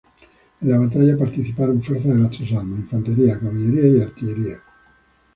En la batalla participaron fuerzas de las tres armas: infantería, caballería y artillería.